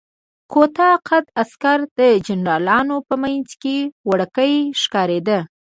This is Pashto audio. کوتاه قده عسکر د جنرالانو په منځ کې وړوکی ښکارېده.